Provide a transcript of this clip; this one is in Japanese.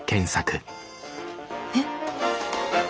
えっ！